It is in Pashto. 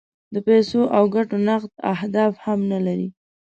د پیسو او ګټو نغد اهداف هم نه لري.